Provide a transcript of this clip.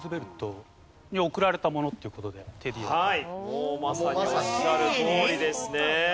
もうまさにおっしゃるとおりですね。